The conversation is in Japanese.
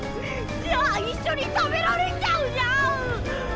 じゃあ一緒に食べられちゃうじゃん！